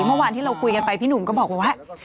เมื่อวานที่เราคุยกันไปพี่หนุ่มก็บอกว่า